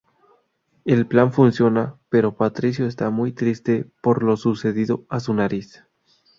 El plan funciona, pero Patricio está muy triste por lo sucedido a su nariz.